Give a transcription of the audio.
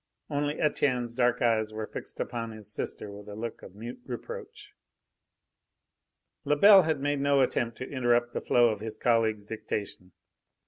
Only Etienne's dark eyes were fixed upon his sister with a look of mute reproach. Lebel had made no attempt to interrupt the flow of his colleague's dictation.